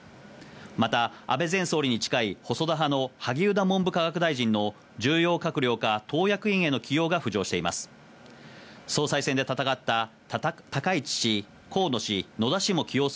また、安倍前総理に近い細田派の萩生田文部科学大臣の重要閣僚か、党役員への起用が浮上しています。